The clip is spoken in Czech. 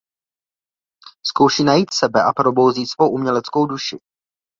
Zkouší najít sebe a probouzí svou uměleckou duši.